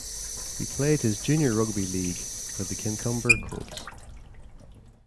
He played his junior rugby league for the Kincumber Colts.